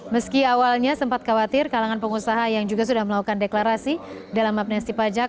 meski awalnya sempat khawatir kalangan pengusaha yang juga sudah melakukan deklarasi dalam amnesti pajak